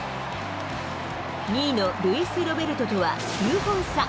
２位のルイス・ロベルトとは９本差。